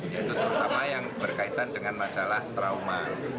yaitu terutama yang berkaitan dengan masalah trauma